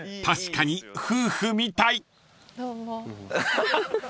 ［確かに夫婦みたい］